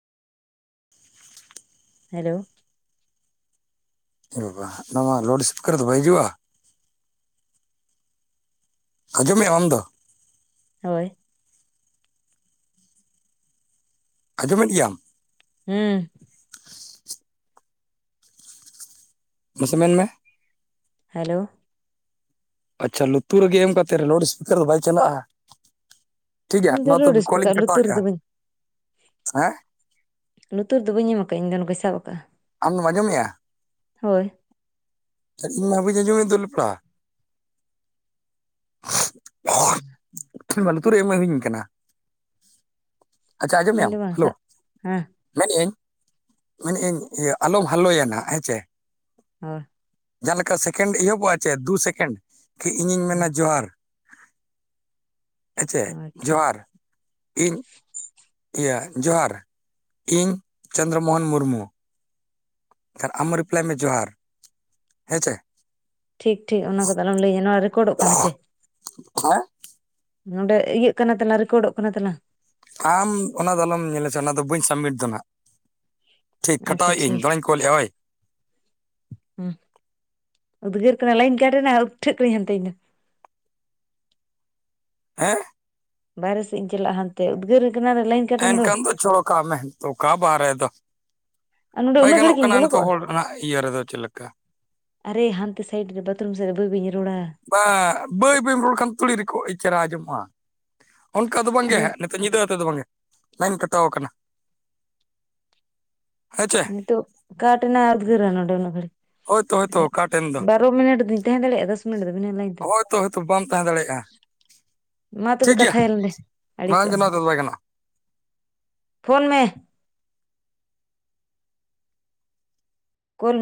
[inaudible] Hello ᱮ ᱵᱟᱵᱟ ᱱᱚᱣᱟ ᱢᱟ ᱞᱳᱰ ᱥᱯᱤᱠᱟᱨ ᱫᱚ ᱵᱟᱭ ᱦᱤᱡᱩᱜ-ᱟ ᱟᱸᱡᱚᱢᱮᱫ-ᱟ ᱟᱢ ᱫᱚ ᱦᱳᱭ ᱟᱸᱡᱚᱢᱮᱫ ᱜᱮᱭᱟᱢ ᱦᱩᱸ ᱟᱥᱮ ᱢᱮᱱ ᱢᱮ ᱦᱮᱞᱳ ᱟᱪᱪᱷᱟ ᱞᱩᱛᱩᱨ ᱨᱮᱜᱮ ᱮᱢ ᱠᱟᱛᱮᱫ ᱞᱳᱰ ᱥᱯᱤᱠᱟᱨ ᱫᱚ ᱵᱟᱭ ᱪᱟᱞᱟᱜ-ᱟ ᱴᱷᱤᱠ ᱜᱮᱭᱟ ᱤᱧ ᱫᱚ ᱱᱚᱣᱟ ᱞᱳᱰ ᱛᱚᱵᱮ ᱠᱚᱞ ᱥᱯᱤᱠᱟᱨ ᱤᱧ ᱞᱩᱛᱩᱨ ᱠᱟᱴᱟᱣᱮᱫ-ᱟ ᱨᱮᱫᱚ ᱵᱟᱹᱧ ᱦᱮᱸ ᱞᱩᱛᱩᱨ ᱫᱚ ᱵᱟᱹᱧ ᱮᱢ ᱟᱠᱟᱜ-ᱟ ᱤᱧᱫᱚ ᱱᱚᱠᱟᱧ ᱥᱟᱵ ᱟᱠᱟᱜ-ᱟ ᱟᱢ ᱫᱚᱢ ᱟᱸᱡᱚᱢᱮᱫ-ᱟ ᱦᱳᱭ ᱤᱧ ᱢᱟ ᱵᱟᱹᱧ ᱟᱸᱡᱚᱢᱮᱫ ᱫᱚ ᱞᱮᱯᱲᱟ [inaudible] ᱤᱧ ᱢᱟ ᱞᱩᱛᱩᱨ ᱨᱮᱜᱮ ᱵᱟᱝ ᱦᱮᱡ ᱤᱧ ᱠᱟᱱᱟ ᱟᱪᱪᱷᱟ ᱟᱸᱡᱚᱢ ᱤᱧ ᱢᱮᱟᱢ ᱫᱚ ᱵᱟᱝ ᱦᱮᱞᱳ ᱥᱟᱵ ᱦᱮᱸ ᱢᱮᱱᱮᱟᱹᱧ ᱢᱮᱱᱮᱟᱹᱧ ᱤᱭᱟᱹ ᱟᱞᱚᱢ ᱦᱟᱞᱚᱭᱟ ᱱᱟᱦᱟᱜ ᱦᱮᱸᱪᱮ ᱦᱳᱭ ᱡᱟᱦᱟᱸ ᱞᱮᱠᱟ ᱥᱮᱠᱮᱱᱰ ᱮᱦᱚᱵᱚᱜ-ᱟ ᱪᱮ ᱫᱩ ᱥᱮᱠᱮᱱᱰ ᱤᱧᱤᱧ ᱢᱮᱱᱟ ᱡᱚᱦᱟᱨ ᱦᱮᱸᱪᱮ ᱦᱳᱭ ᱴᱷᱤᱠ ᱡᱚᱦᱟᱨ ᱤᱧ ᱤᱭᱟᱹ ᱡᱚᱦᱟᱨ ᱤᱧ ᱪᱚᱱᱫᱨᱚ ᱢᱳᱦᱚᱱ ᱢᱩᱨᱢᱩ ᱟᱢ ᱦᱚᱸ ᱨᱤᱯᱞᱟᱭ ᱢᱮ ᱡᱚᱦᱟᱨ ᱦᱮᱸ ᱪᱮ ᱴᱷᱤᱠ ᱴᱷᱤᱠ ᱚᱱᱟ ᱠᱚᱫᱚ ᱟᱞᱚᱢ ᱞᱟᱹᱭ ᱟᱹᱧᱟᱹ ᱱᱚᱣᱟ ᱨᱮᱠᱚᱨᱰᱚᱜ ᱠᱟᱱᱟ ᱪᱮ ᱦᱮᱸ ᱱᱚᱸᱰᱮ ᱤᱭᱟᱹᱜ ᱠᱟᱱᱟ ᱛᱟᱞᱟᱝ ᱨᱮᱠᱚᱨᱰᱚᱜ ᱠᱟᱱᱟ ᱛᱟᱞᱟᱝ ᱟᱢ ᱚᱱᱟ ᱫᱚ ᱟᱞᱚᱢ ᱧᱮᱞᱟ ᱥᱮ ᱚᱱᱟ ᱫᱚ ᱵᱟᱹᱧ ᱥᱟᱵᱢᱤᱴ ᱫᱚ ᱱᱟᱦᱟᱜ ᱟᱪᱪᱷᱟ ᱴᱷᱤᱠ ᱠᱚᱞᱮᱫᱼᱟ ᱦᱳᱭ ᱦᱩᱸ ᱩᱫᱽᱜᱟᱹᱨ ᱠᱟᱱᱟ ᱞᱟᱭᱤᱱ ᱠᱟᱹᱨᱤ ᱱᱟᱦᱟᱜ ᱩᱴᱷᱟᱹᱜ ᱠᱟᱹᱱᱟᱹᱧ ᱦᱟᱱᱛᱮ ᱤᱧ ᱫᱚ᱾ ᱦᱮᱸ᱾ ᱵᱟᱨᱦᱮ ᱥᱮᱫ ᱤᱧ ᱪᱟᱞᱟᱜ-ᱟ ᱦᱟᱱᱛᱮ ᱩᱫᱽᱜᱟᱹᱨ ᱠᱟᱱᱟ ᱞᱟᱭᱤᱱ ᱠᱟᱴ ᱮᱱ ᱮᱱᱠᱷᱟᱱ ᱫᱚ ᱪᱷᱚᱠᱟᱜ ᱢᱮ ᱛᱚᱠᱟ ᱵᱟᱨᱦᱮ ᱫᱚ᱾ ᱟᱨ ᱱᱚᱸᱰᱮ ᱵᱟᱭ ᱩᱱᱟᱹᱜ ᱜᱟᱱᱚᱜ ᱜᱷᱟᱹᱲᱤᱡ ᱤᱧ ᱠᱟᱱᱟ ᱵᱚᱞᱚ ᱱᱤᱛᱚᱜ ᱠᱚᱜᱼᱟ ᱦᱚᱲ ᱨᱮᱱᱟᱜ ᱤᱭᱟᱹ ᱨᱮᱫᱚ ᱪᱮᱫ ᱞᱮᱠᱟ᱾ ᱟᱨᱮ ᱦᱟᱸᱱᱛᱮ ᱥᱟᱭᱤᱰ ᱨᱮ ᱵᱟᱛᱷᱨᱩᱢ ᱥᱮᱫ ᱨᱮ ᱵᱟᱹ ᱵᱟᱹᱧ ᱨᱚᱲᱟ᱾ ᱵᱟᱝ ᱵᱟᱹᱭ ᱵᱟᱹᱭ ᱨᱚᱲ ᱠᱷᱟᱱ ᱛᱩᱲᱤ ᱨᱮᱠᱚ ᱪᱮᱦᱨᱟ ᱟᱸᱡᱚᱢᱚᱜᱼᱟ, ᱚᱝᱠᱟ ᱫᱚ ᱟᱨ ᱵᱟᱝᱜᱮ ᱱᱚᱰᱮ ᱦᱟᱸᱜ ᱱᱮ ᱧᱤᱫᱟᱹ ᱟᱫᱚ ᱵᱟᱝ ᱜᱮ ᱞᱟᱭᱤᱱ ᱠᱟᱴᱟᱣ ᱠᱟᱱᱟ ᱟᱪᱷᱟ ᱱᱤᱛᱳᱜ ᱠᱟᱴᱱᱟ ᱩᱫᱜᱟᱹᱨᱟ ᱱᱚᱰᱮ ᱩᱱᱟᱹᱜ ᱜᱷᱟᱲᱤᱡ ᱦᱳᱭᱛᱳ ᱦᱳᱭᱛᱳ ᱟᱪᱪᱷᱟ ᱚᱠᱟ ᱟᱪᱪᱷᱟ ᱴᱷᱮᱱ ᱫᱚ ᱵᱟᱨᱚ ᱢᱤᱱᱤᱴ ᱫᱚᱧ ᱛᱟᱦᱮᱸ ᱫᱟᱲᱮᱭᱟᱜᱼᱟ ᱫᱚᱥ ᱢᱤᱱᱤᱴ ᱫᱚᱵᱤᱱᱟᱹ ᱞᱟᱭᱤᱱ ᱛᱮᱫᱚ᱾ ᱦᱳᱭᱛᱳ ᱦᱳᱭᱛᱳ ᱵᱟᱢ ᱛᱟᱦᱮᱸ [inaudible] ᱢᱟ ᱛᱚᱵᱮ ᱴᱷᱤᱠ ᱜᱮᱭᱟ ᱠᱟᱛᱷᱟᱭᱟ ᱞᱮ ᱵᱟᱝ ᱟᱹᱲᱤᱥᱚᱜ ᱟᱢ ᱜᱟᱱᱚᱜᱼᱟ ᱦᱟᱸᱜ ᱾ ᱛᱮᱫᱚ ᱵᱟᱭ ᱜᱟᱱᱚᱜᱼᱟ ᱯᱷᱳᱱ ᱢᱮ ᱾ ᱠᱚᱞ